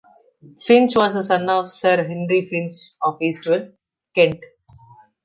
Finch was the son of Sir Henry Finch of Eastwell, Kent.